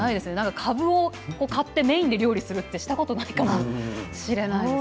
かぶを買ってメインに料理するってしたことないかもしれないです。